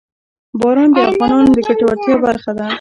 باران د افغانانو د ګټورتیا برخه ده.